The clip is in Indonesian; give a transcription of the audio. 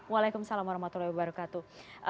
waalaikumsalam warahmatullahi wabarakatuh